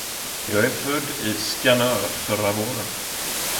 Jag är född i Skanör förra våren.